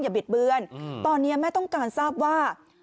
บิดเบือนตอนนี้แม่ต้องการทราบว่า